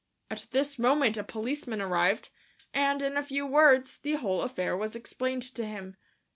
At this moment a policeman arrived, and, in a few words, the whole affair was explained to him.